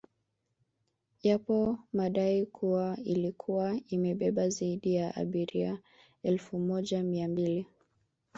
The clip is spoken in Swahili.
Yapo madai kuwa ilikuwa imebeba zaidi ya abiria elfu moja mia mbili